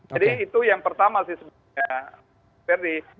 jadi itu yang pertama sih sebenarnya ferdi